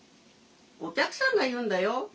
お客さんが言うんだよ。